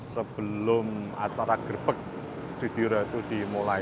sebelum acara gerbek video itu dimulai